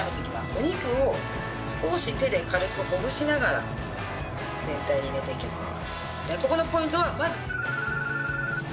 お肉を少し手で軽くほぐしながら全体に入れていきます。